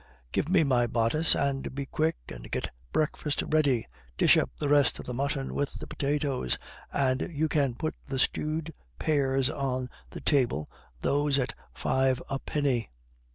"Give me my bodice, and be quick and get breakfast ready. Dish up the rest of the mutton with the potatoes, and you can put the stewed pears on the table, those at five a penny."